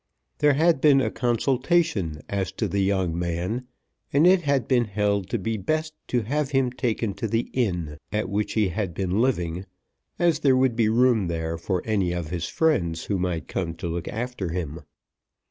There had been a consultation as to the young man, and it had been held to be best to have him taken to the inn at which he had been living, as there would be room there for any of his friends who might come to look after him.